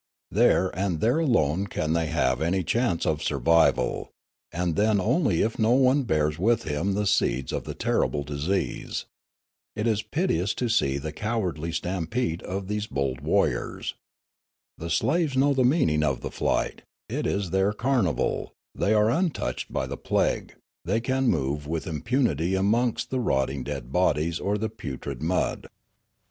There and there alone can they have any chance of survival, and then only if no one bears with him the seeds of the terrible disease. It is piteous to see the cowardly stampede of these bold warriors. The sla ves know the meaning of the flight ; it is their car nival ; they are untouched by the plague ; they can move with impunity amongst the rotting dead bodies or the putrid mud.